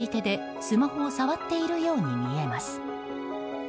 運転手が左手でスマホを触っているように見えます。